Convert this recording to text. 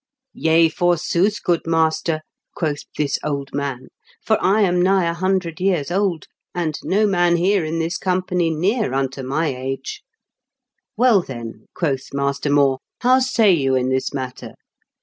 "* Yea, forsooth, good master,' quoth this old man, * for I am nigh a hundred years old, and no man here in this company near unto my age/ ^Well, then,' quoth Master More, *how say you in this matter?